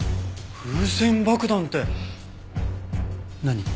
風船爆弾って何？